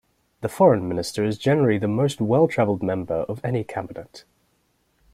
The foreign minister is generally the most well-traveled member of any cabinet.